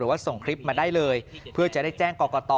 ว่าส่งคลิปมาได้เลยเพื่อจะได้แจ้งกรกต